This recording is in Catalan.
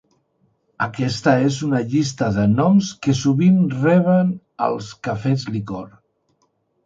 Aquesta és una llista de noms que sovint reben els cafès licor.